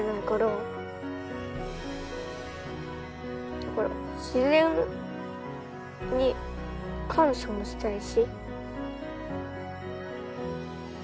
だから自然に感謝もしたいし。